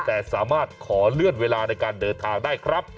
แต่สามารถขอเลื่อนเวลาในการเดินทางได้ครับ